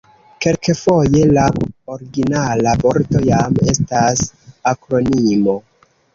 Kelkfoje la originala vorto jam estas akronimo.